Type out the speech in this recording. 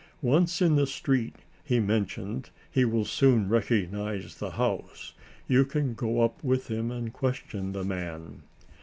"Once in the street he mentions, he will soon recognize the house. You can go up with him and question the man."